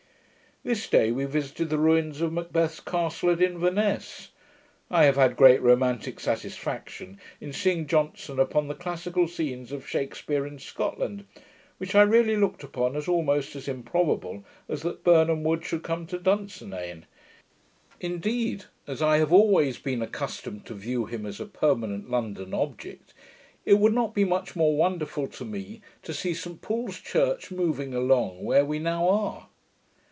This day we visited the ruins of Macbeth's castle at Inverness. I have had great romantick satisfaction in seeing Johnson upon the classical scenes of Shakspeare in Scotland; which I really looked upon as almost as improbable as that 'Birnam wood should come to Dunsinane'. Indeed, as I have always been accustomed to view him as a permanent London object, it would not be much more wonderful to me to see St Paul's church moving along where we now are.